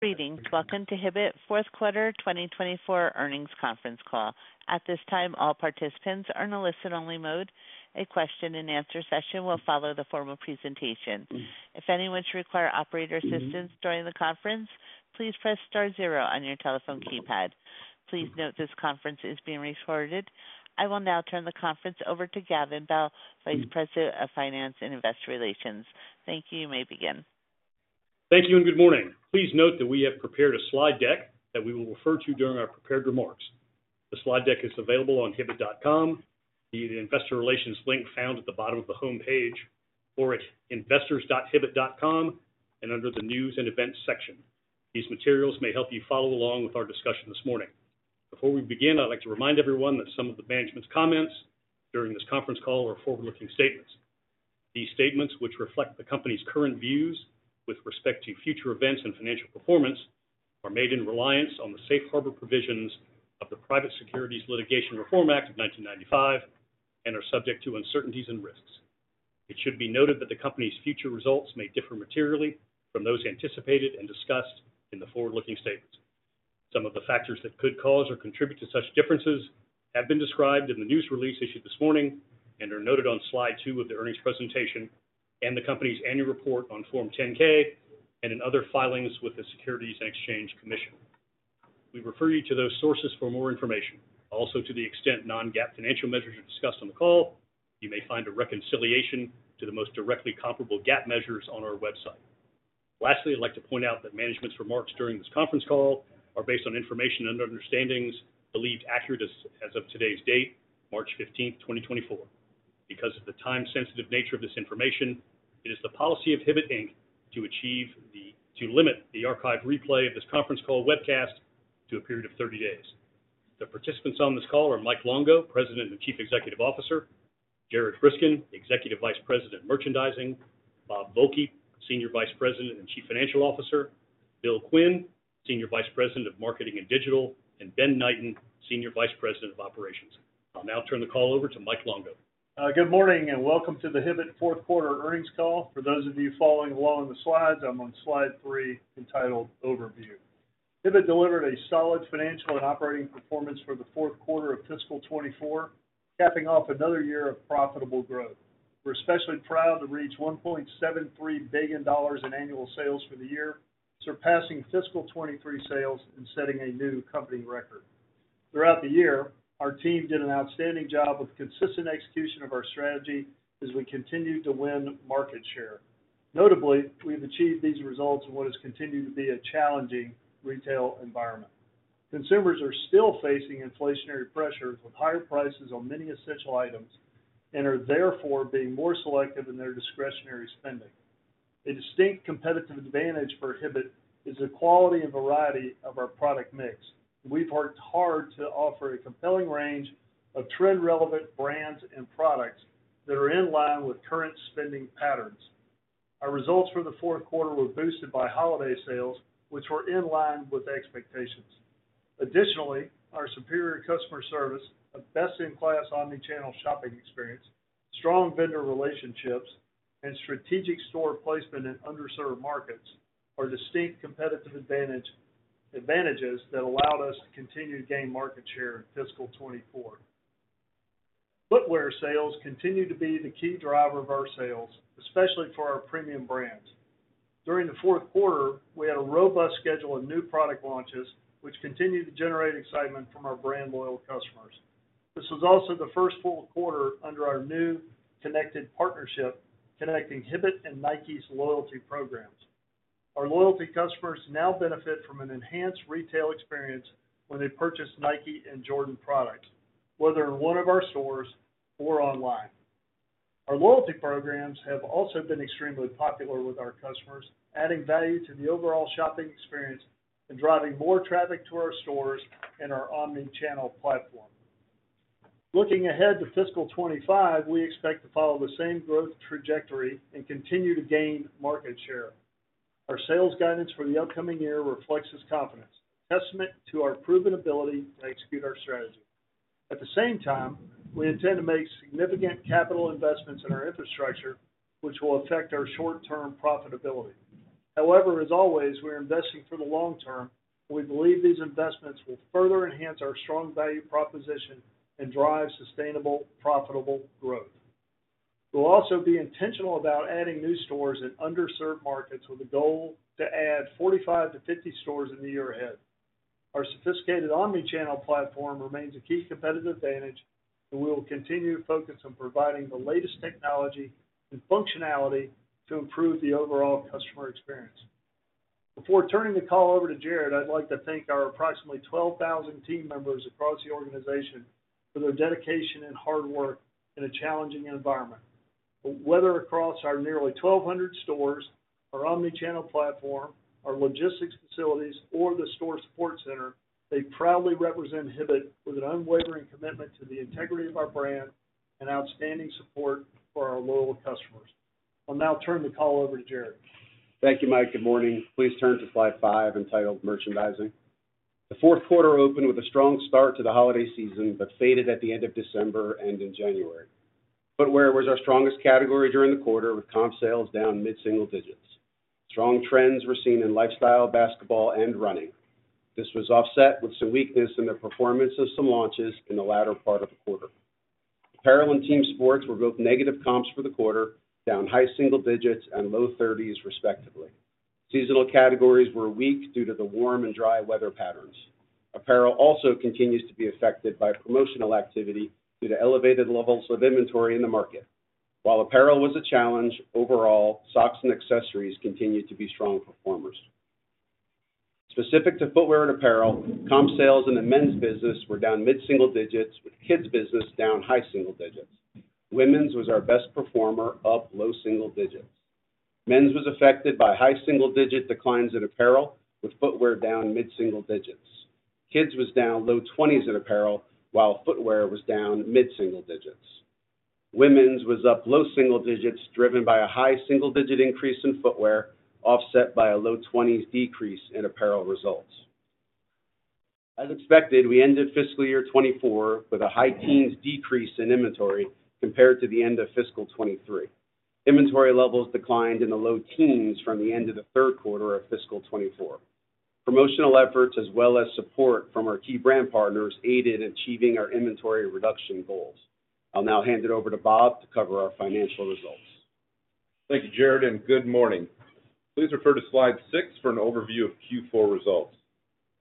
Greetings. Welcome to Hibbett Fourth Quarter 2024 earnings conference call. At this time, all participants are in a listen-only mode. A question-and-answer session will follow the formal presentation. If anyone should require operator assistance during the conference, please press star zero on your telephone keypad. Please note this conference is being recorded. I will now turn the conference over to Gavin Bell, Vice President of Finance and Investor Relations. Thank you. You may begin. Thank you and good morning. Please note that we have prepared a slide deck that we will refer to during our prepared remarks. The slide deck is available on hibbett.com, the Investor Relations link found at the bottom of the homepage, or at investors.hibbett.com and under the News and Events section. These materials may help you follow along with our discussion this morning. Before we begin, I'd like to remind everyone that some of the management's comments during this conference call are forward-looking statements. These statements, which reflect the company's current views with respect to future events and financial performance, are made in reliance on the safe harbor provisions of the Private Securities Litigation Reform Act of 1995 and are subject to uncertainties and risks. It should be noted that the company's future results may differ materially from those anticipated and discussed in the forward-looking statements. Some of the factors that could cause or contribute to such differences have been described in the news release issued this morning and are noted on Slide 2 of the earnings presentation and the company's annual report on Form 10-K and in other filings with the Securities and Exchange Commission. We refer you to those sources for more information. Also, to the extent non-GAAP financial measures are discussed on the call, you may find a reconciliation to the most directly comparable GAAP measures on our website. Lastly, I'd like to point out that management's remarks during this conference call are based on information and understandings believed accurate as of today's date, March 15, 2024. Because of the time-sensitive nature of this information, it is the policy of Hibbett, Inc., to limit the archive replay of this conference call webcast to a period of 30 days. The participants on this call are Mike Longo, President and Chief Executive Officer, Jared Briskin, Executive Vice President of Merchandising, Bob Volke, Senior Vice President and Chief Financial Officer, Bill Quinn, Senior Vice President of Marketing and Digital, and Ben Knighten, Senior Vice President of Operations. I'll now turn the call over to Mike Longo. Good morning and welcome to the Hibbett Fourth Quarter earnings call. For those of you following along the slides, I'm on Slide 3 entitled Overview. Hibbett delivered a solid financial and operating performance for the fourth quarter of fiscal 2024, capping off another year of profitable growth. We're especially proud to reach $1.73 billion in annual sales for the year, surpassing fiscal 2023 sales and setting a new company record. Throughout the year, our team did an outstanding job with consistent execution of our strategy as we continued to win market share. Notably, we've achieved these results in what has continued to be a challenging retail environment. Consumers are still facing inflationary pressures with higher prices on many essential items and are, therefore, being more selective in their discretionary spending. A distinct competitive advantage for Hibbett is the quality and variety of our product mix. We've worked hard to offer a compelling range of trend-relevant brands and products that are in line with current spending patterns. Our results for the fourth quarter were boosted by holiday sales, which were in line with expectations. Additionally, our superior customer service, a best-in-class omnichannel shopping experience, strong vendor relationships, and strategic store placement in underserved markets are distinct competitive advantages that allowed us to continue to gain market share in fiscal 2024. Footwear sales continue to be the key driver of our sales, especially for our premium brands. During the fourth quarter, we had a robust schedule of new product launches, which continue to generate excitement from our brand-loyal customers. This was also the first full quarter under our new connected partnership connecting Hibbett and Nike's loyalty programs. Our loyalty customers now benefit from an enhanced retail experience when they purchase Nike and Jordan products, whether in one of our stores or online. Our loyalty programs have also been extremely popular with our customers, adding value to the overall shopping experience and driving more traffic to our stores and our omnichannel platform. Looking ahead to fiscal 2025, we expect to follow the same growth trajectory and continue to gain market share. Our sales guidance for the upcoming year reflects this confidence, a testament to our proven ability to execute our strategy. At the same time, we intend to make significant capital investments in our infrastructure, which will affect our short-term profitability. However, as always, we're investing for the long term, and we believe these investments will further enhance our strong value proposition and drive sustainable, profitable growth. We'll also be intentional about adding new stores in underserved markets with the goal to add 45-50 stores in the year ahead. Our sophisticated omnichannel platform remains a key competitive advantage, and we will continue to focus on providing the latest technology and functionality to improve the overall customer experience. Before turning the call over to Jared, I'd like to thank our approximately 12,000 team members across the organization for their dedication and hard work in a challenging environment. Whether across our nearly 1,200 stores, our omnichannel platform, our logistics facilities, or the store support center, they proudly represent Hibbett with an unwavering commitment to the integrity of our brand and outstanding support for our loyal customers. I'll now turn the call over to Jared. Thank you, Mike. Good morning. Please turn to Slide 5 entitled Merchandising. The fourth quarter opened with a strong start to the holiday season but faded at the end of December and in January. Footwear was our strongest category during the quarter, with comp sales down mid-single digits. Strong trends were seen in lifestyle, basketball, and running. This was offset with some weakness in the performance of some launches in the latter part of the quarter. Apparel and team sports were both negative comps for the quarter, down high single digits and low thirties, respectively. Seasonal categories were weak due to the warm and dry weather patterns. Apparel also continues to be affected by promotional activity due to elevated levels of inventory in the market. While apparel was a challenge, overall, socks and accessories continue to be strong performers. Specific to footwear and apparel, comp sales in the men's business were down mid-single digits, with kids' business down high single digits. Women's was our best performer, up low single digits. Men's was affected by high single digit declines in apparel, with footwear down mid-single digits. Kids was down low twenties in apparel, while footwear was down mid-single digits. Women's was up low single digits, driven by a high single digit increase in footwear, offset by a low twenties decrease in apparel results. As expected, we ended fiscal year 2024 with a high teens decrease in inventory compared to the end of fiscal 2023. Inventory levels declined in the low teens from the end of the third quarter of fiscal 2024. Promotional efforts, as well as support from our key brand partners, aided in achieving our inventory reduction goals. I'll now hand it over to Bob to cover our financial results. Thank you, Jared, and good morning. Please refer to Slide 6 for an overview of Q4 results.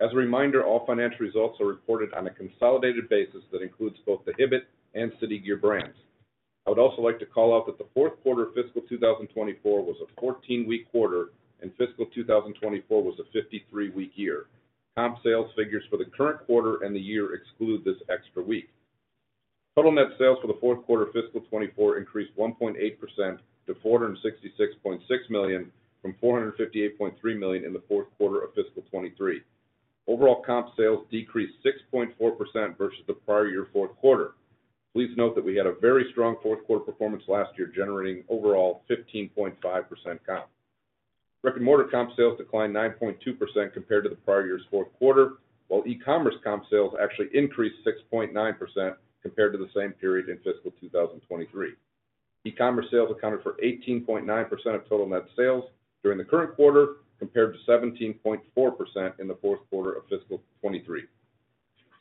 As a reminder, all financial results are reported on a consolidated basis that includes both the Hibbett and City Gear brands. I would also like to call out that the fourth quarter of fiscal 2024 was a 14-week quarter, and fiscal 2024 was a 53-week year. Comp sales figures for the current quarter and the year exclude this extra week. Total net sales for the fourth quarter of fiscal 2024 increased 1.8% to $466.6 million from $458.3 million in the fourth quarter of fiscal 2023. Overall comp sales decreased 6.4% versus the prior year's fourth quarter. Please note that we had a very strong fourth quarter performance last year, generating overall 15.5% comp. Retail comp sales declined 9.2% compared to the prior year's fourth quarter, while e-commerce comp sales actually increased 6.9% compared to the same period in fiscal 2023. E-commerce sales accounted for 18.9% of total net sales during the current quarter, compared to 17.4% in the fourth quarter of fiscal 2023.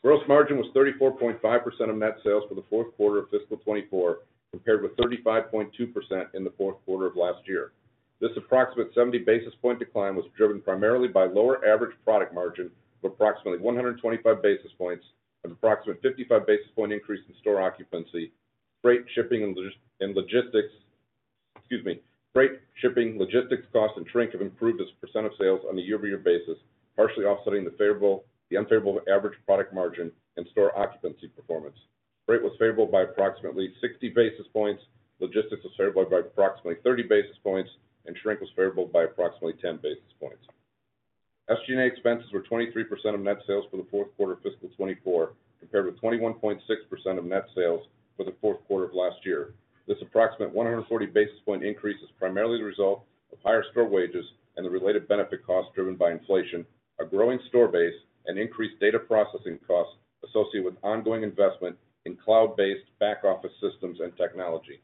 Gross margin was 34.5% of net sales for the fourth quarter of fiscal 2024, compared with 35.2% in the fourth quarter of last year. This approximate 70 basis point decline was driven primarily by lower average product margin of approximately 125 basis points and an approximate 55 basis point increase in store occupancy. Freight, shipping, and logistics, excuse me, freight, shipping, logistics cost, and shrink have improved as a percent of sales on a year-over-year basis, partially offsetting the unfavorable average product margin and store occupancy performance. Freight was favorable by approximately 60 basis points, logistics was favorable by approximately 30 basis points, and shrink was favorable by approximately 10 basis points. SG&A expenses were 23% of net sales for the fourth quarter of fiscal 2024, compared with 21.6% of net sales for the fourth quarter of last year. This approximate 140 basis point increase is primarily the result of higher store wages and the related benefit costs driven by inflation, a growing store base, and increased data processing costs associated with ongoing investment in cloud-based back-office systems and technology.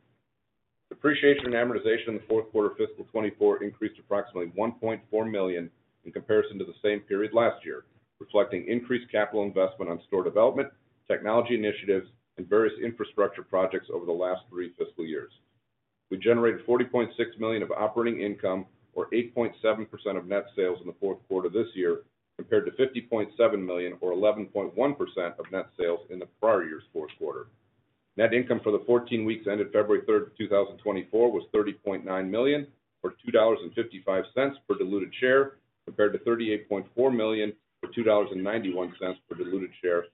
Depreciation and amortization in the fourth quarter of fiscal 2024 increased approximately $1.4 million in comparison to the same period last year, reflecting increased capital investment on store development, technology initiatives, and various infrastructure projects over the last three fiscal years. We generated $40.6 million of operating income, or 8.7% of net sales, in the fourth quarter this year, compared to $50.7 million, or 11.1%, of net sales in the prior year's fourth quarter. Net income for the 14 weeks ended February 3rd, 2024, was $30.9 million, or $2.55 per diluted share, compared to $38.4 million, or $2.91 per diluted share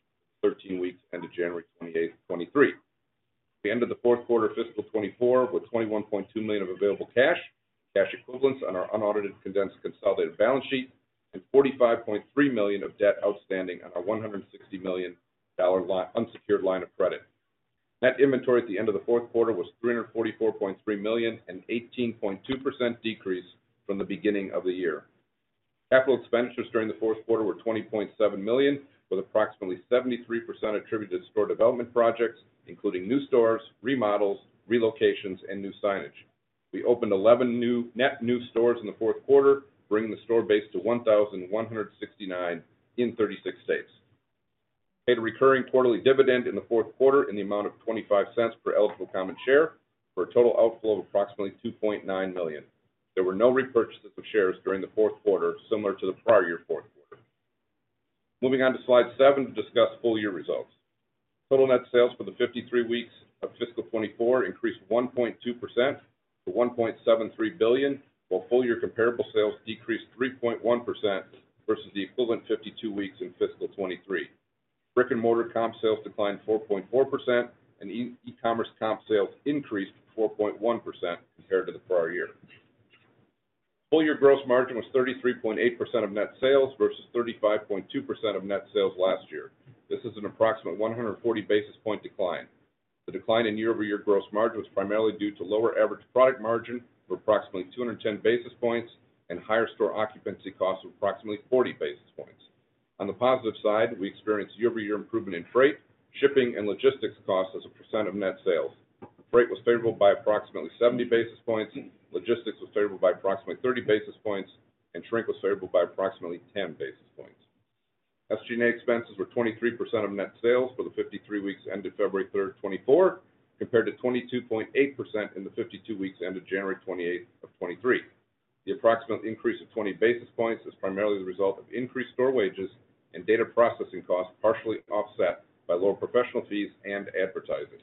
for 13 weeks ended January 28th, 2023. We ended the fourth quarter of fiscal 2024 with $21.2 million of available cash, cash equivalents on our unaudited condensed consolidated balance sheet, and $45.3 million of debt outstanding on our $160 million unsecured line of credit. Net inventory at the end of the fourth quarter was $344.3 million, an 18.2% decrease from the beginning of the year. Capital expenditures during the fourth quarter were $20.7 million, with approximately 73% attributed to store development projects, including new stores, remodels, relocations, and new signage. We opened 11 net new stores in the fourth quarter, bringing the store base to 1,169 in 36 states. We paid a recurring quarterly dividend in the fourth quarter in the amount of $0.25 per eligible common share, for a total outflow of approximately $2.9 million. There were no repurchases of shares during the fourth quarter similar to the prior year's fourth quarter. Moving on to Slide 7 to discuss full year results. Total net sales for the 53 weeks of fiscal 2024 increased 1.2% to $1.73 billion, while full year comparable sales decreased 3.1% versus the equivalent 52 weeks in fiscal 2023. Brick-and-mortar comp sales declined 4.4%, and e-commerce comp sales increased 4.1% compared to the prior year. Full year gross margin was 33.8% of net sales versus 35.2% of net sales last year. This is an approximate 140 basis point decline. The decline in year-over-year gross margin was primarily due to lower average product margin of approximately 210 basis points and higher store occupancy costs of approximately 40 basis points. On the positive side, we experienced year-over-year improvement in freight, shipping, and logistics costs as a percent of net sales. Freight was favorable by approximately 70 basis points, logistics was favorable by approximately 30 basis points, and shrink was favorable by approximately 10 basis points. SG&A expenses were 23% of net sales for the 53 weeks ended February 3rd, 2024, compared to 22.8% in the 52 weeks ended January 28th of 2023. The approximate increase of 20 basis points is primarily the result of increased store wages and data processing costs, partially offset by lower professional fees and advertising.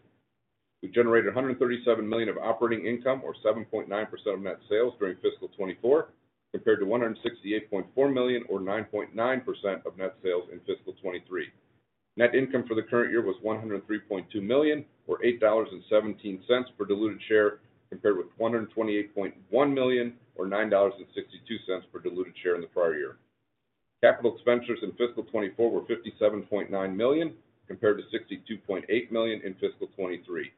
We generated $137 million of operating income, or 7.9% of net sales, during fiscal 2024, compared to $168.4 million, or 9.9%, of net sales in fiscal 2023. Net income for the current year was $103.2 million, or $8.17, per diluted share, compared with $128.1 million, or $9.62, per diluted share in the prior year. Capital expenditures in fiscal 2024 were $57.9 million, compared to $62.8 million in fiscal 2023.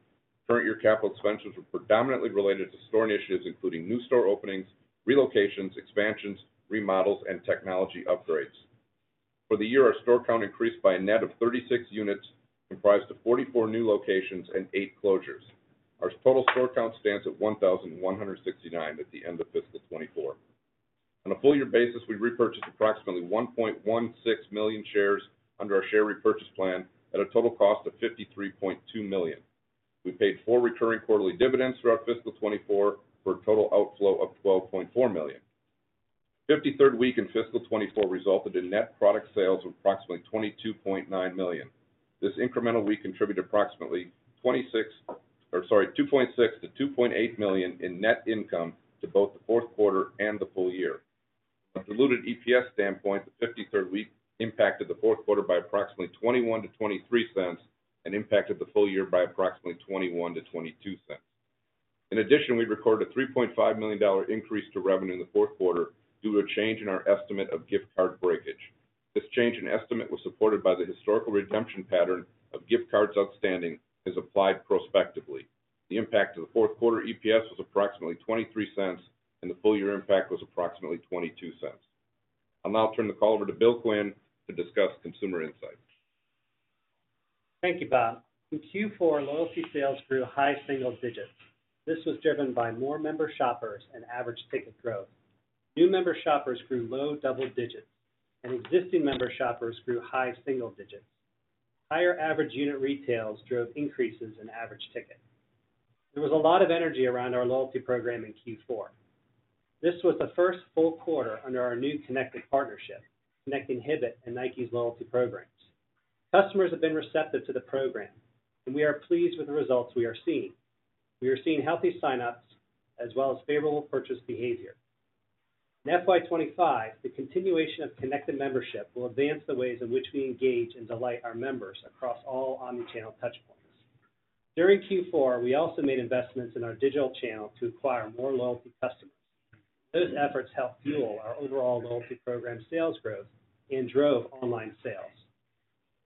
Current year capital expenditures were predominantly related to store initiatives, including new store openings, relocations, expansions, remodels, and technology upgrades. For the year, our store count increased by a net of 36 units, comprised of 44 new locations and eight closures. Our total store count stands at 1,169 at the end of fiscal 2024. On a full year basis, we repurchased approximately 1.16 million shares under our share repurchase plan at a total cost of $53.2 million. We paid four recurring quarterly dividends throughout fiscal 2024 for a total outflow of $12.4 million. The 53rd week in fiscal 2024 resulted in net product sales of approximately $22.9 million. This incremental week contributed approximately 26 or sorry, $2.6 million-$2.8 million in net income to both the fourth quarter and the full year. From a diluted EPS standpoint, the 53rd week impacted the fourth quarter by approximately $0.21-$0.23 and impacted the full year by approximately $0.21-$0.22. In addition, we'd recorded a $3.5 million increase to revenue in the fourth quarter due to a change in our estimate of gift card breakage. This change in estimate was supported by the historical redemption pattern of gift cards outstanding as applied prospectively. The impact to the fourth quarter EPS was approximately $0.23, and the full year impact was approximately $0.22. I'll now turn the call over to Bill Quinn to discuss consumer insights. Thank you, Bob. In Q4, loyalty sales grew high single digits. This was driven by more member shoppers and average ticket growth. New member shoppers grew low double digits, and existing member shoppers grew high single digits. Higher average unit retails drove increases in average ticket. There was a lot of energy around our loyalty program in Q4. This was the first full quarter under our new connected partnership, connecting Hibbett and Nike's loyalty programs. Customers have been receptive to the program, and we are pleased with the results we are seeing. We are seeing healthy signups as well as favorable purchase behavior. In FY 2025, the continuation of Connected Membership will advance the ways in which we engage and delight our members across all omnichannel touchpoints. During Q4, we also made investments in our digital channel to acquire more loyalty customers. Those efforts helped fuel our overall loyalty program sales growth and drove online sales.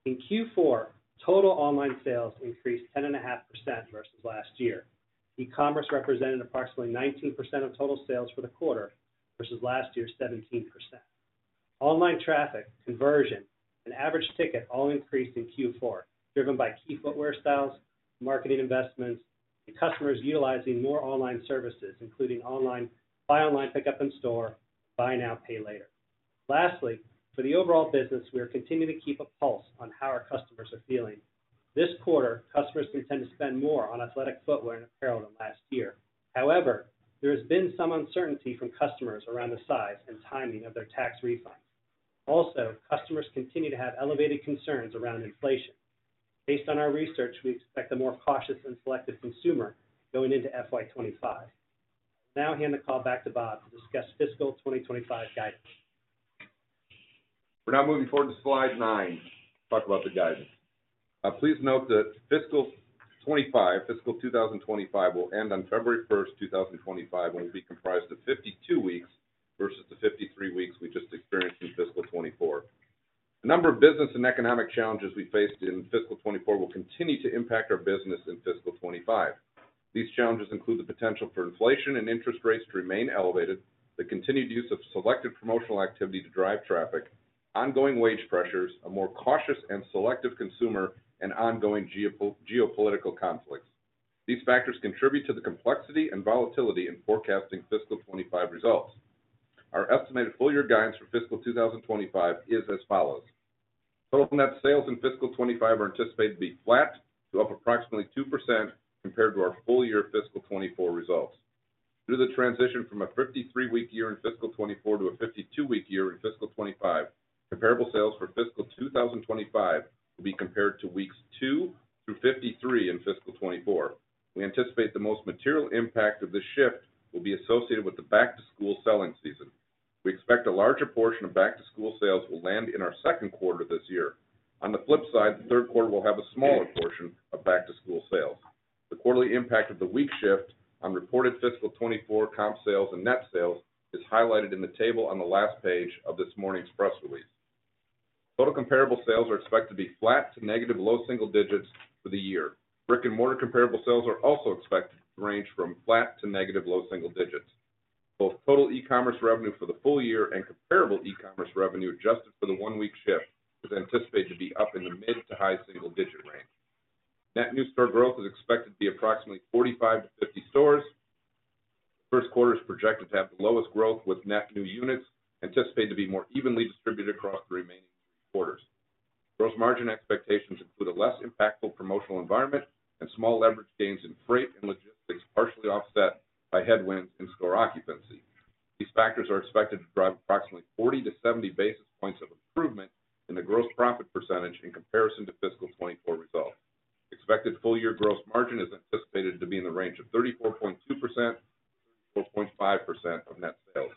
In Q4, total online sales increased 10.5% versus last year. E-commerce represented approximately 19% of total sales for the quarter versus last year's 17%. Online traffic, conversion, and average ticket all increased in Q4, driven by key footwear styles, marketing investments, and customers utilizing more online services, including Buy Online, Pickup In Store, Buy Now, Pay Later. Lastly, for the overall business, we are continuing to keep a pulse on how our customers are feeling. This quarter, customers continued to spend more on athletic footwear and apparel than last year. However, there has been some uncertainty from customers around the size and timing of their tax refunds. Also, customers continue to have elevated concerns around inflation. Based on our research, we expect a more cautious and selective consumer going into FY 2025. I will now hand the call back to Bob to discuss fiscal 2025 guidance. We're now moving forward to Slide 9 to talk about the guidance. Please note that fiscal 2025 will end on February 1st, 2025, and will be comprised of 52 weeks versus the 53 weeks we just experienced in fiscal 2024. A number of business and economic challenges we faced in fiscal 2024 will continue to impact our business in fiscal 2025. These challenges include the potential for inflation and interest rates to remain elevated, the continued use of selected promotional activity to drive traffic, ongoing wage pressures, a more cautious and selective consumer, and ongoing geopolitical conflicts. These factors contribute to the complexity and volatility in forecasting fiscal 2025 results. Our estimated full year guidance for fiscal 2025 is as follows. Total net sales in fiscal 2025 are anticipated to be flat to up approximately 2% compared to our full year fiscal 2024 results. Due to the transition from a 53-week year in fiscal 2024 to a 52-week year in fiscal 2025, comparable sales for fiscal 2025 will be compared to weeks two through 53 in fiscal 2024. We anticipate the most material impact of this shift will be associated with the back-to-school selling season. We expect a larger portion of back-to-school sales will land in our second quarter this year. On the flip side, the third quarter will have a smaller portion of back-to-school sales. The quarterly impact of the week shift on reported fiscal 2024 comp sales and net sales is highlighted in the table on the last page of this morning's press release. Total comparable sales are expected to be flat to negative low single digits for the year. Brick-and-mortar comparable sales are also expected to range from flat to negative low single digits. Both total e-commerce revenue for the full year and comparable e-commerce revenue adjusted for the one-week shift is anticipated to be up in the mid- to high-single-digit range. Net new store growth is expected to be approximately 45-50 stores. The first quarter is projected to have the lowest growth, with net new units anticipated to be more evenly distributed across the remaining three quarters. Gross margin expectations include a less impactful promotional environment and small leverage gains in freight and logistics, partially offset by headwinds in store occupancy. These factors are expected to drive approximately 40-70 basis points of improvement in the gross profit percentage in comparison to fiscal 2024 results. Expected full year gross margin is anticipated to be in the range of 34.2%-34.5% of net sales.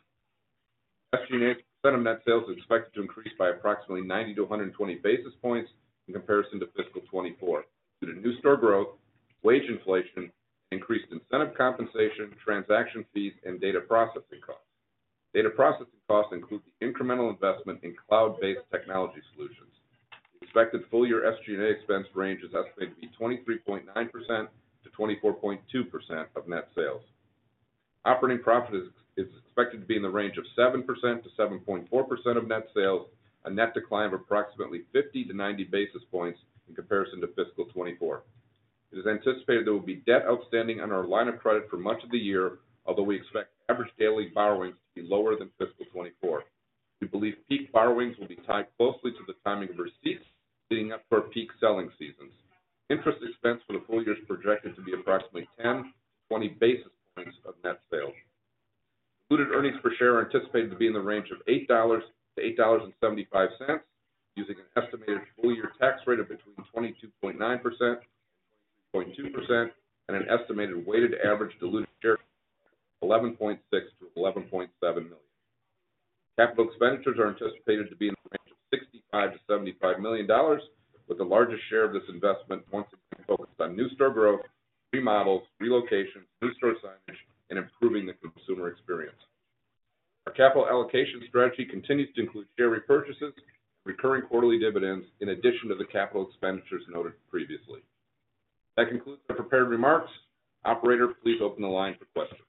SG&A's percent of net sales is expected to increase by approximately 90-120 basis points in comparison to fiscal 2024 due to new store growth, wage inflation, and increased incentive compensation, transaction fees, and data processing costs. Data processing costs include the incremental investment in cloud-based technology solutions. The expected full year SG&A expense range is estimated to be 23.9%-24.2% of net sales. Operating profit is expected to be in the range of 7%-7.4% of net sales, a net decline of approximately 50-90 basis points in comparison to fiscal 2024. It is anticipated there will be debt outstanding on our line of credit for much of the year, although we expect average daily borrowings to be lower than fiscal 2024. We believe peak borrowings will be tied closely to the timing of receipts leading up to our peak selling seasons. Interest expense for the full year is projected to be approximately 10-20 basis points of net sales. Diluted earnings per share are anticipated to be in the range of $8-$8.75, using an estimated full year tax rate of between 22.9%-23.2%, and an estimated weighted average diluted share equivalent of 11.6 million-11.7 million. Capital expenditures are anticipated to be in the range of $65 million-$75 million, with the largest share of this investment once again focused on new store growth, remodels, relocations, new store signage, and improving the consumer experience. Our capital allocation strategy continues to include share repurchases and recurring quarterly dividends in addition to the capital expenditures noted previously. That concludes our prepared remarks. Operator, please open the line for questions.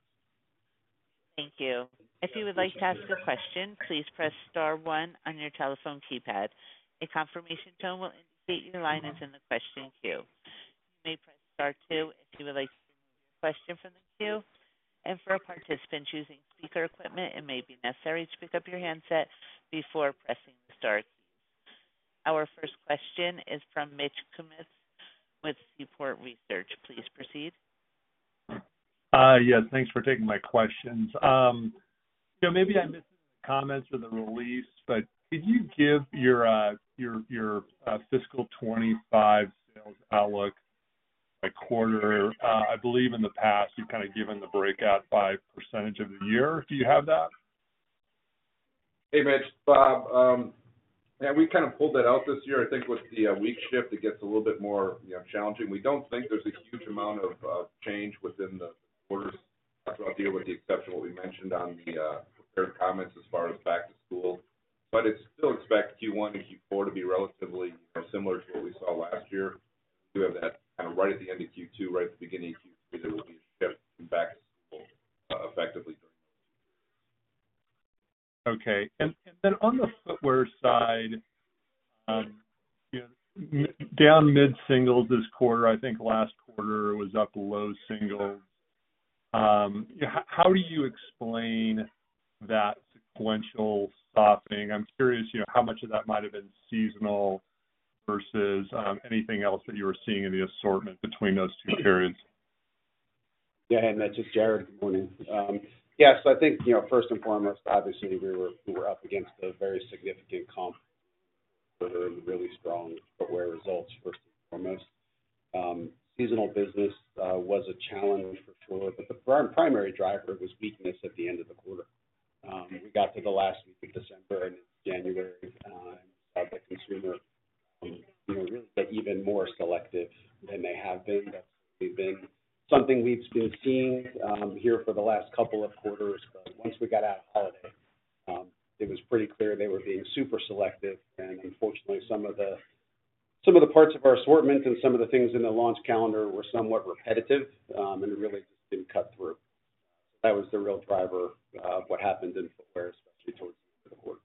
Thank you. If you would like to ask a question, please press star one on your telephone keypad. A confirmation tone will indicate your line is in the question queue. You may press star two if you would like to remove your question from the queue. For participants using speaker equipment, it may be necessary to pick up your handset before pressing the star keys. Our first question is from Mitch Kummetz with Seaport Research. Please proceed. Yes. Thanks for taking my questions. Maybe I missed it in the comments or the release, but could you give your fiscal 2025 sales outlook by quarter? I believe in the past, you've kind of given the breakout by percentage of the year. Do you have that? Hey, Mitch. Bob, we kind of pulled that out this year. I think with the week shift, it gets a little bit more challenging. We don't think there's a huge amount of change within the quarters throughout the year, with the exception of what we mentioned on the prepared comments as far as back-to-school. But I'd still expect Q1 and Q4 to be relatively similar to what we saw last year. We do have that kind of right at the end of Q2, right at the beginning of Q3, there will be a shift in back-to-school effectively during those two quarters. Okay. And then on the footwear side, down mid-singles this quarter, I think last quarter was up low singles. How do you explain that sequential softening? I'm curious how much of that might have been seasonal versus anything else that you were seeing in the assortment between those two periods. Yeah. Hey, Mitch. It's Jared. Good morning. Yeah. So I think first and foremost, obviously, we were up against a very significant comp for the really strong footwear results first and foremost. Seasonal business was a challenge for sure, but our primary driver was weakness at the end of the quarter. We got to the last week of December, and it's January. And we saw the consumer really get even more selective than they have been. That's certainly been something we've been seeing here for the last couple of quarters. But once we got out of holiday, it was pretty clear they were being super selective. And unfortunately, some of the parts of our assortment and some of the things in the launch calendar were somewhat repetitive, and it really just didn't cut through. That was the real driver of what happened in footwear, especially towards the end of the quarter.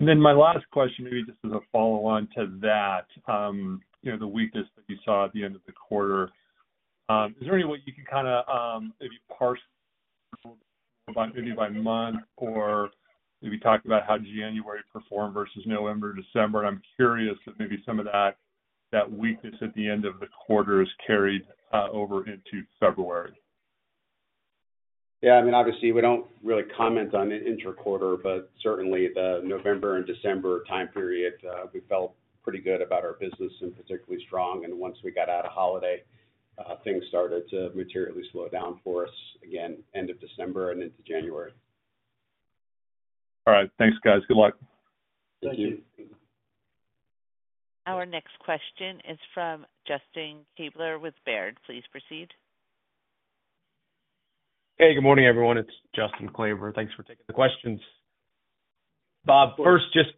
Then my last question, maybe just as a follow-on to that, the weakness that you saw at the end of the quarter, is there any way you can kind of if you parse maybe by month or maybe talk about how January performed versus November, December, and I'm curious if maybe some of that weakness at the end of the quarter is carried over into February? Yeah. I mean, obviously, we don't really comment on the interquarter, but certainly, the November and December time period, we felt pretty good about our business and particularly strong. Once we got out of holiday, things started to materially slow down for us again, end of December and into January. All right. Thanks, guys. Good luck. Thank you. Thank you. Our next question is from Justin Kleber with Baird. Please proceed. Hey. Good morning, everyone. It's Justin Kleber. Thanks for taking the questions. Bob, first, just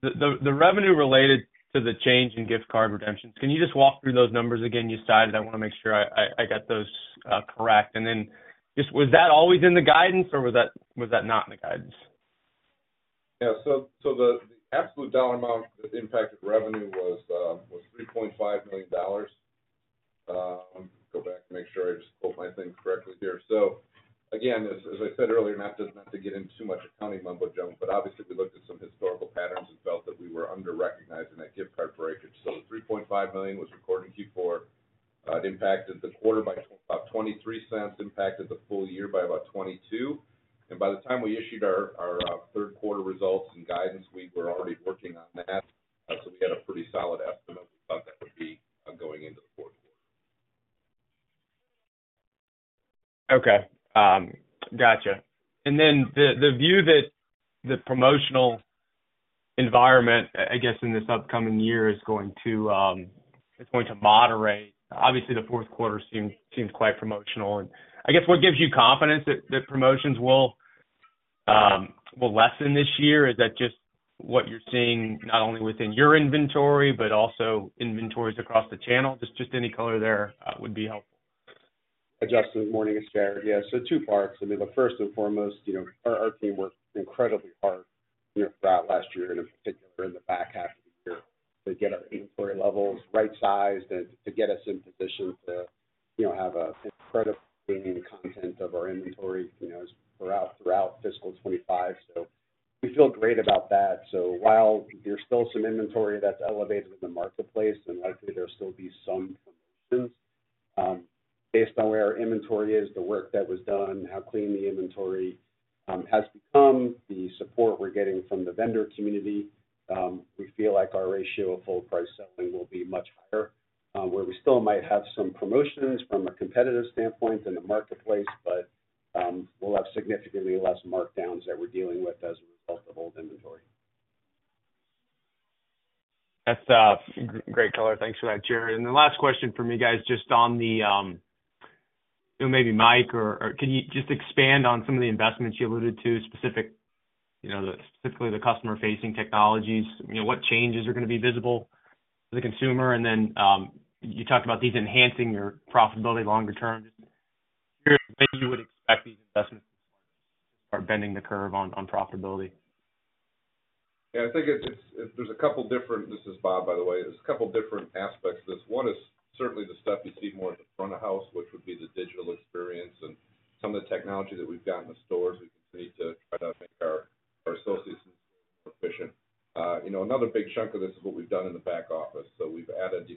the revenue related to the change in gift card redemptions, can you just walk through those numbers again you cited? I want to make sure I got those correct. And then just was that always in the guidance, or was that not in the guidance? Yeah. So the absolute dollar amount that impacted revenue was $3.5 million. Go back and make sure I just quote my thing correctly here. So again, as I said earlier, not to get into too much accounting mumbo jumbo, but obviously, we looked at some historical patterns and felt that we were underrecognizing that gift card breakage. So the $3.5 million was recorded in Q4. It impacted the quarter by about $0.23, impacted the full year by about $0.22. And by the time we issued our third quarter results and guidance, we were already working on that. So we had a pretty solid estimate. We thought that would be going into the fourth quarter. Okay. Gotcha. And then the view that the promotional environment, I guess, in this upcoming year is going to moderate, obviously, the fourth quarter seems quite promotional. And I guess what gives you confidence that promotions will lessen this year? Is that just what you're seeing not only within your inventory but also inventories across the channel? Just any color there would be helpful. Hi, Justin. Good morning. It's Jared. Yeah. So two parts. I mean, look, first and foremost, our team worked incredibly hard throughout last year, and in particular, in the back half of the year, to get our inventory levels right-sized and to get us in position to have an incredible containing content of our inventory throughout fiscal 2025. So we feel great about that. So while there's still some inventory that's elevated in the marketplace, then likely there'll be some promotions. Based on where our inventory is, the work that was done, how clean the inventory has become, the support we're getting from the vendor community, we feel like our ratio of full-price selling will be much higher, where we still might have some promotions from a competitive standpoint in the marketplace, but we'll have significantly less markdowns that we're dealing with as a result of old inventory. That's a great color. Thanks for that, Jared. The last question for me, guys, just on the maybe Mike or can you just expand on some of the investments you alluded to, specifically the customer-facing technologies? What changes are going to be visible to the consumer? Then you talked about these enhancing your profitability longer term. Just curious when you would expect these investments to start bending the curve on profitability. Yeah. I think there's a couple different. This is Bob, by the way. There's a couple different aspects to this. One is certainly the stuff you see more at the front of house, which would be the digital experience and some of the technology that we've got in the stores. We continue to try to make our associates in the stores more efficient. Another big chunk of this is what we've done in the back office. So we've added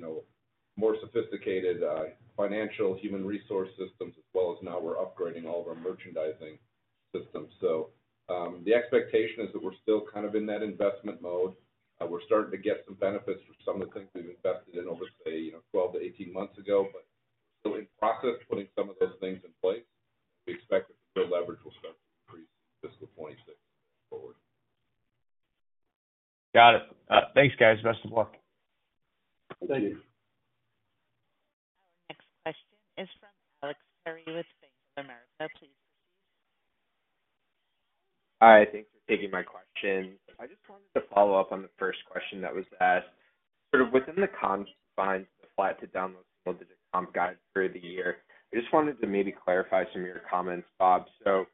more sophisticated financial human resource systems, as well as now we're upgrading all of our merchandising systems. So the expectation is that we're still kind of in that investment mode. We're starting to get some benefits for some of the things we've invested in over, say, 12-18 months ago, but we're still in process putting some of those things in place. We expect that the real leverage will start to increase in fiscal 2026 forward. Got it. Thanks, guys. Best of luck. Thank you. Our next question is from Alex Perry with Bank of America. Please proceed. Hi. Thanks for taking my question. I just wanted to follow up on the first question that was asked. Sort of within the confines of the flat to down low single-digit comp guide for the year, I just wanted to maybe clarify some of your comments, Bob. So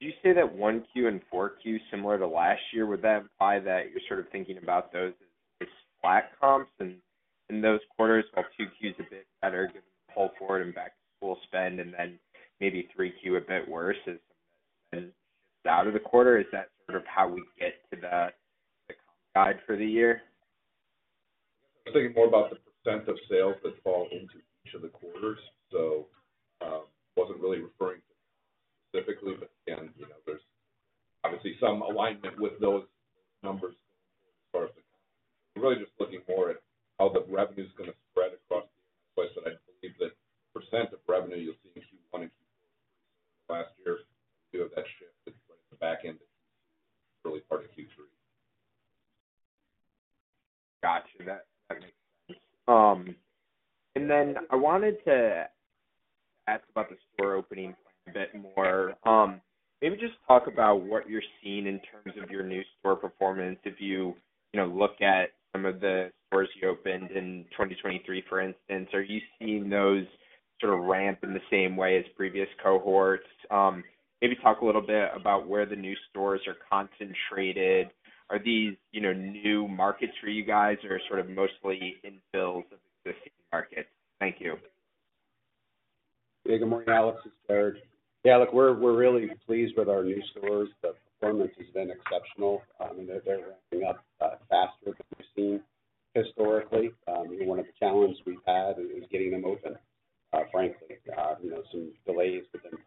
you say that 1Q and 4Q, similar to last year, would that imply that you're sort of thinking about those as flat comps in those quarters while 2Q is a bit better given the pull forward and back-to-school spend and then maybe 3Q a bit worse as some of that spend shifts out of the quarter? Is that sort of how we get to the comp guide for the year? I guess I was thinking more about the percent of sales that fall into each of the quarters. I wasn't really referring to comps specifically, but again, there's obviously some alignment with those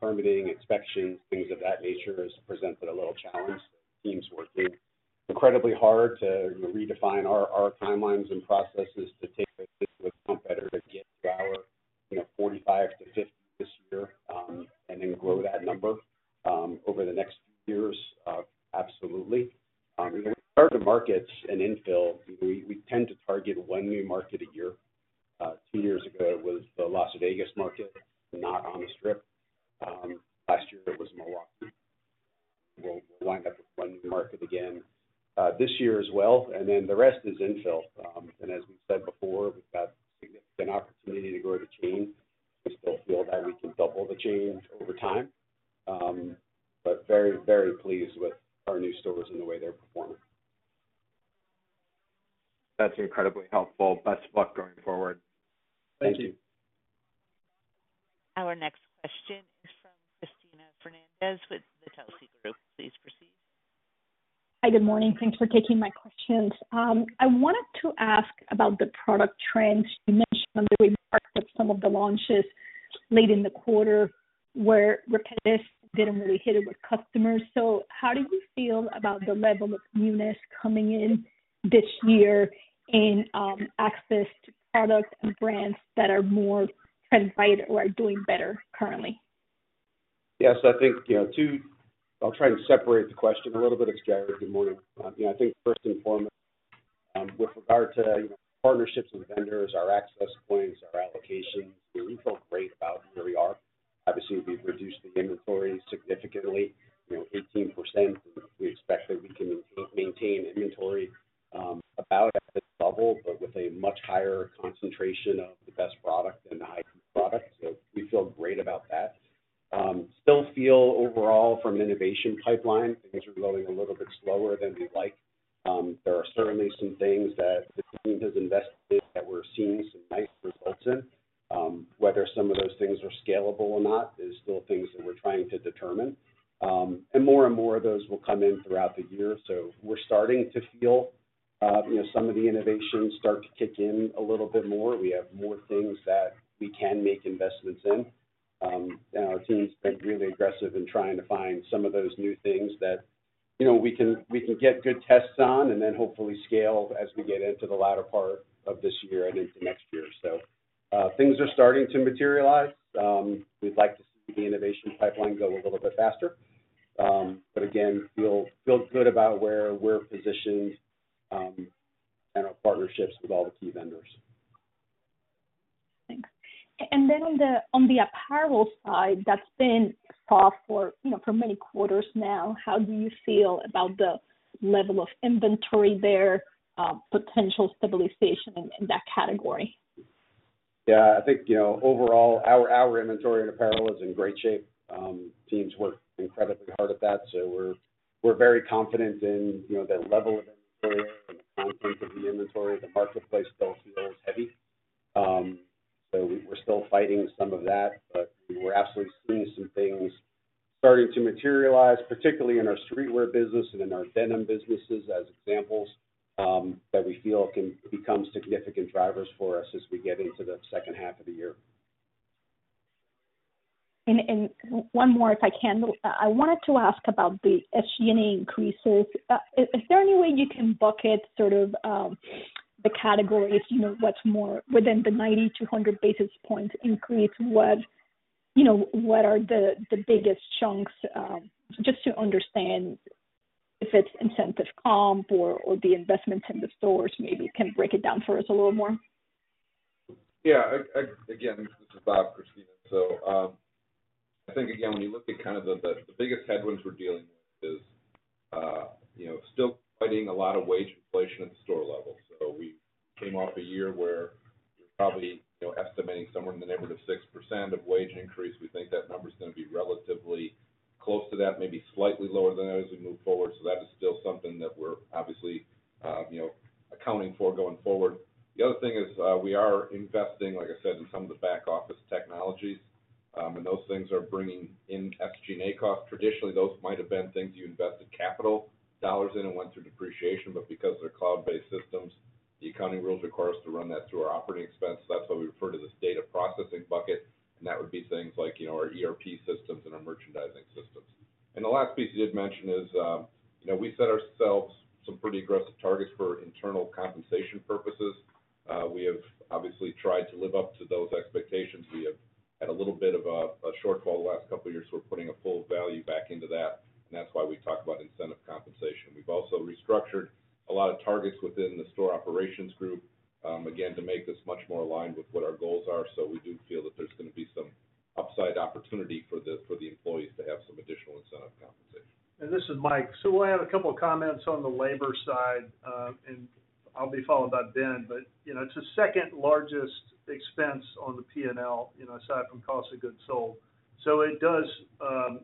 permitting, inspections, things of that nature has presented a little challenge. The team's working incredibly hard to redefine our timelines and processes to take this account better, to get to our 45-50 this year and then grow that number over the next few years. Absolutely. When we start a market and infill, we tend to target one new market a year. Two years ago, it was the Las Vegas market, not on the Strip. Last year, it was Milwaukee. We'll wind up with one new market again this year as well. And then the rest is infill. As we've said before, we've got significant opportunity to grow the chain. We still feel that we can double the chain over time, but very, very pleased with our new stores and the way they're performing. That's incredibly helpful. Best of luck going forward. Thank you. Our next question is from Cristina Fernández with the Telsey Group. Please proceed. Hi. Good morning. Thanks for taking my questions. I wanted to ask about the product trends. You mentioned on the way back that some of the launches late in the quarter were repetitive and didn't really hit it with customers. So how do you feel about the level of newness coming in this year in access to products and brands that are more trend-wide or are doing better currently? Yeah. So I think too, I'll try and separate the question a little bit. It's Jared. Good morning. I think first and foremost, with regard to partnerships and vendors, our access points, our allocations, we feel great about where we are. Obviously, we've reduced the inventory significantly, 18%. We expect that we can maintain inventory about at this level but with a much higher concentration of the best product and the highest product. So we feel great about that. Still feel, overall, from an innovation pipeline, things are going a little bit slower than we like. There are certainly some things that the team has invested in that we're seeing some nice results in. Whether some of those things are scalable or not is still things that we're trying to determine. And more and more, those will come in throughout the year. So we're starting to feel some of the innovations start to kick in a little bit more. We have more things that we can make investments in. And our team's been really aggressive in trying to find some of those new things that we can get good tests on and then hopefully scale as we get into the latter part of this year and into next year. So things are starting to materialize. We'd like to see the innovation pipeline go a little bit faster. But again, feel good about where we're positioned and our partnerships with all the key vendors. Thanks. Then on the apparel side that's been soft for many quarters now, how do you feel about the level of inventory there, potential stabilization in that category? Yeah. I think overall, our inventory in apparel is in great shape. Teams worked incredibly hard at that. So we're very confident in the level of inventory and the content of the inventory. The marketplace still feels heavy. So we're still fighting some of that. But we're absolutely seeing some things starting to materialize, particularly in our streetwear business and in our denim businesses as examples that we feel can become significant drivers for us as we get into the second half of the year. And one more, if I can. I wanted to ask about the SG&A increases. Is there any way you can bucket sort of the categories? What's more within the 90-100 basis points increase? What are the biggest chunks? Just to understand if it's incentive comp or the investments in the stores, maybe can break it down for us a little more. Yeah. Again, this is Bob, Cristina. So I think, again, when you look at kind of the biggest headwinds we're dealing with is still fighting a lot of wage inflation at the store level. So we came off a year where we're probably estimating somewhere in the neighborhood of 6% of wage increase. We think that number's going to be relatively close to that, maybe slightly lower than that as we move forward. So that is still something that we're obviously accounting for going forward. The other thing is we are investing, like I said, in some of the back-office technologies. And those things are bringing in SG&A costs. Traditionally, those might have been things you invested capital dollars in and went through depreciation. But because they're cloud-based systems, the accounting rules require us to run that through our operating expense. So that's why we refer to this data processing bucket. And that would be things like our ERP systems and our merchandising systems. And the last piece you did mention is we set ourselves some pretty aggressive targets for internal compensation purposes. We have obviously tried to live up to those expectations. We have had a little bit of a shortfall the last couple of years. We're putting a full value back into that. And that's why we talk about incentive compensation. We've also restructured a lot of targets within the store operations group, again, to make this much more aligned with what our goals are. So we do feel that there's going to be some upside opportunity for the employees to have some additional incentive compensation. This is Mike. So I had a couple of comments on the labor side. I'll be followed by Ben. It's the second largest expense on the P&L aside from cost of goods sold. So it does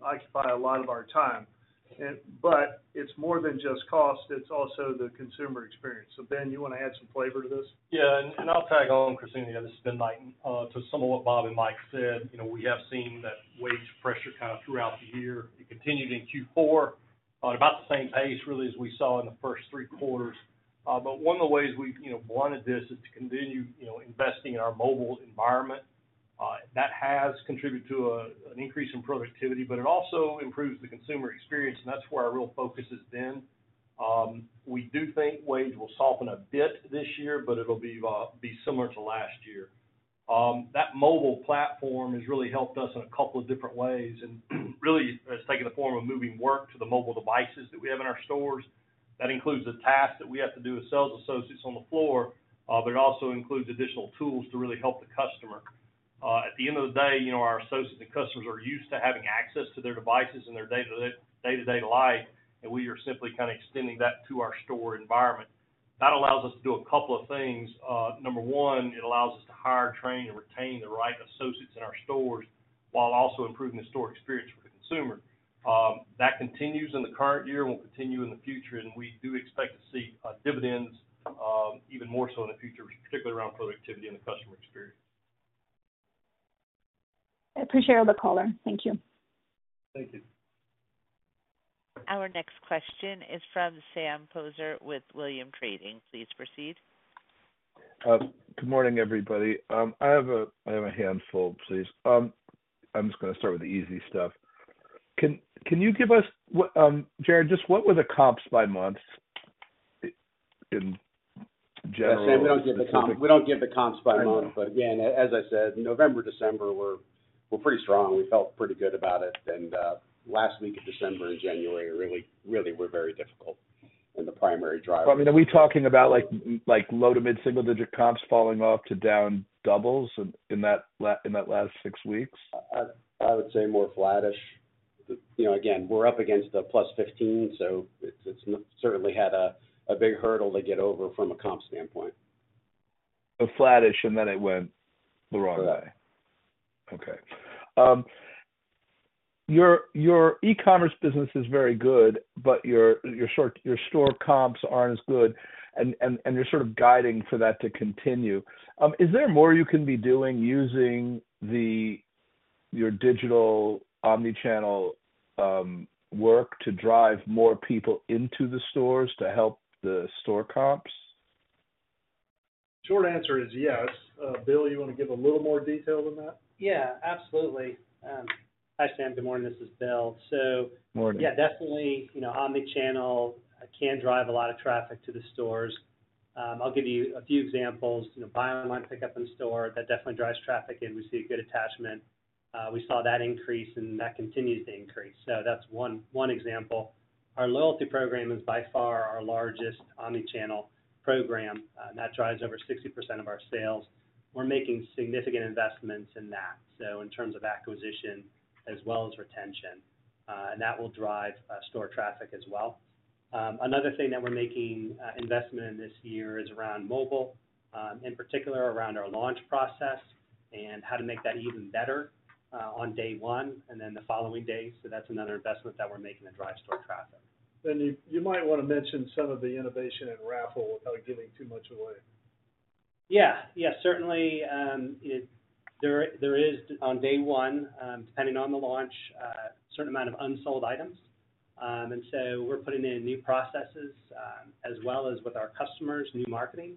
occupy a lot of our time. It's more than just cost. It's also the consumer experience. So Ben, you want to add some flavor to this? Yeah. And I'll tag on, Cristina. Yeah. This is Ben Knighten. To sum up what Bob and Mike said, we have seen that wage pressure kind of throughout the year. It continued in Q4 at about the same pace, really, as we saw in the first three quarters. But one of the ways we've blunted this is to continue investing in our mobile environment. That has contributed to an increase in productivity, but it also improves the consumer experience. And that's where our real focus has been. We do think wage will soften a bit this year, but it'll be similar to last year. That mobile platform has really helped us in a couple of different ways and really has taken the form of moving work to the mobile devices that we have in our stores. That includes the tasks that we have to do as sales associates on the floor, but it also includes additional tools to really help the customer. At the end of the day, our associates and customers are used to having access to their devices and their day-to-day life. We are simply kind of extending that to our store environment. That allows us to do a couple of things. Number one, it allows us to hire, train, and retain the right associates in our stores while also improving the store experience for the consumer. That continues in the current year and will continue in the future. We do expect to see dividends even more so in the future, particularly around productivity and the customer experience. I appreciate the caller. Thank you. Thank you. Our next question is from Sam Poser with Williams Trading. Please proceed. Good morning, everybody. I have a handful, please. I'm just going to start with the easy stuff. Can you give us, Jared, just what were the comps by month in general? Yeah. Sam, we don't give the comps we don't give the comps by month. But again, as I said, November, December, we're pretty strong. We felt pretty good about it. And last week of December and January, really, really were very difficult in the primary driver. Are we talking about low to mid-single-digit comps falling off to down doubles in that last six weeks? I would say more flat-ish. Again, we're up against the +15. So it's certainly had a big hurdle to get over from a comp standpoint. So flat-ish, and then it went the wrong way. Correct. Okay. Your e-commerce business is very good, but your store comps aren't as good. You're sort of guiding for that to continue. Is there more you can be doing using your digital omnichannel work to drive more people into the stores to help the store comps? Short answer is yes. Bill, you want to give a little more detail than that? Yeah. Absolutely. Hi, Sam. Good morning. This is Bill. So yeah, definitely omnichannel can drive a lot of traffic to the stores. I'll give you a few examples. Buy online, pickup in store, that definitely drives traffic in. We see a good attachment. We saw that increase, and that continues to increase. So that's one example. Our loyalty program is by far our largest omnichannel program. That drives over 60% of our sales. We're making significant investments in that, so in terms of acquisition as well as retention. And that will drive store traffic as well. Another thing that we're making investment in this year is around mobile, in particular around our launch process and how to make that even better on day one and then the following day. So that's another investment that we're making to drive store traffic. Ben, you might want to mention some of the innovation at Raffle without giving too much away. Yeah. Yeah. Certainly, there is, on day one, depending on the launch, a certain amount of unsold items. And so we're putting in new processes as well as, with our customers, new marketing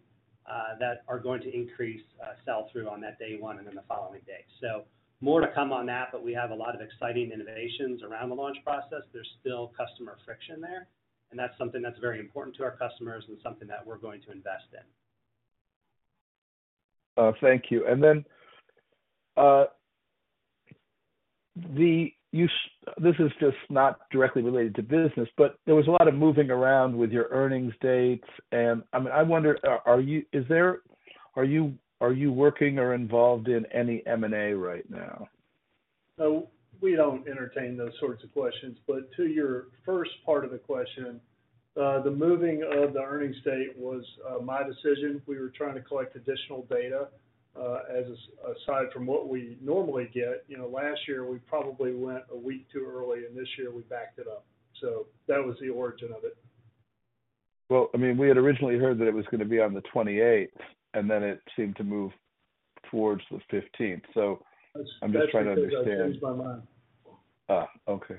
that are going to increase sell-through on that day one and then the following day. So more to come on that, but we have a lot of exciting innovations around the launch process. There's still customer friction there. And that's something that's very important to our customers and something that we're going to invest in. Thank you. Then this is just not directly related to business, but there was a lot of moving around with your earnings dates. I mean, I wonder, are you working or involved in any M&A right now? So we don't entertain those sorts of questions. But to your first part of the question, the moving of the earnings date was my decision. We were trying to collect additional data aside from what we normally get. Last year, we probably went a week too early, and this year, we backed it up. So that was the origin of it. Well, I mean, we had originally heard that it was going to be on the 28th, and then it seemed to move towards the 15th. So I'm just trying to understand. That's exactly what changed my mind. Okay.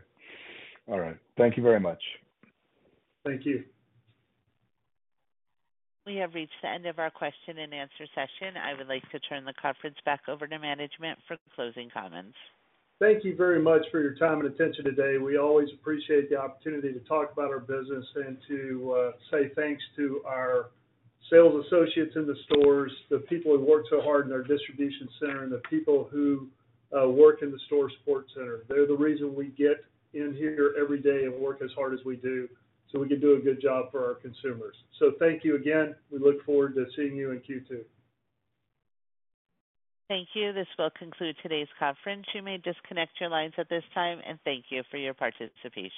All right. Thank you very much. Thank you. We have reached the end of our question-and-answer session. I would like to turn the conference back over to management for closing comments. Thank you very much for your time and attention today. We always appreciate the opportunity to talk about our business and to say thanks to our sales associates in the stores, the people who work so hard in our distribution center, and the people who work in the store support center. They're the reason we get in here every day and work as hard as we do so we can do a good job for our consumers. So thank you again. We look forward to seeing you in Q2. Thank you. This will conclude today's conference. You may disconnect your lines at this time. Thank you for your participation.